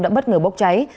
đã bất ngờ bốc cháy